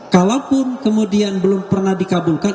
kalaupun kemudian belum pernah dikabulkan